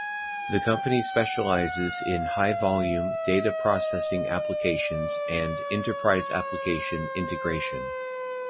The company specializes in high-volume data processing applications and enterprise application integration.